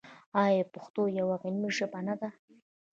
آیا پښتو یوه علمي ژبه نه ده؟